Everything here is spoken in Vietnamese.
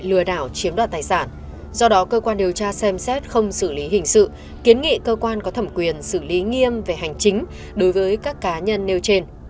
lừa đảo chiếm đoạt tài sản do đó cơ quan điều tra xem xét không xử lý hình sự kiến nghị cơ quan có thẩm quyền xử lý nghiêm về hành chính đối với các cá nhân nêu trên